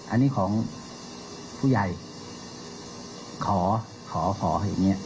อันนี้ของผู้ใหญ่ขอขออย่างนี้